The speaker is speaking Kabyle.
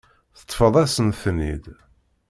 Teṭṭfeḍ-asen-ten-id.